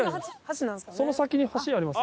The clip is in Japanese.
その先に橋あります。